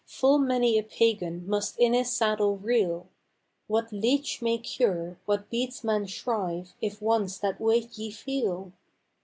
full many a Pagan must in his saddle reel! — What leech may cure, what beadsman shrive, if once that weight ye feel?